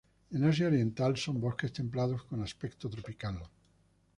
En Asia Oriental son bosques templados con aspecto tropical.